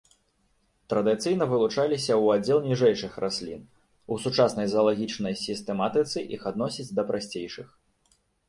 Традыцыйна вылучаліся ў аддзел ніжэйшых раслін, у сучаснай заалагічнай сістэматыцы іх адносяць да прасцейшых.